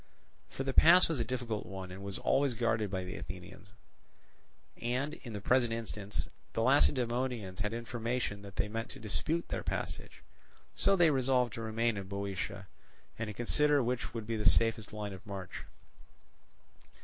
For the pass was a difficult one, and was always guarded by the Athenians; and, in the present instance, the Lacedaemonians had information that they meant to dispute their passage. So they resolved to remain in Boeotia, and to consider which would be the safest line of march.